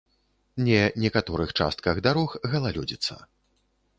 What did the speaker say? Не некаторых частках дарог галалёдзіца.